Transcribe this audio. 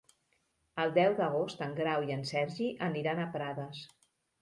El deu d'agost en Grau i en Sergi aniran a Prades.